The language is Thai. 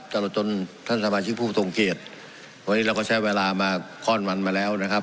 ตลอดจนท่านสมาชิกผู้ทรงเกียจวันนี้เราก็ใช้เวลามาข้อนวันมาแล้วนะครับ